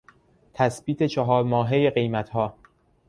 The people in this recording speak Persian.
تثبیت چهار ماههی قیمتها